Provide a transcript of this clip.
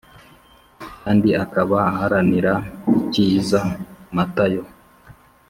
kandi akaba aharanira icyiza (Matayo :-)